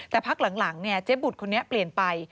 แต่พักหลังเจ๊บุตรคนนี้เปลี่ยนไป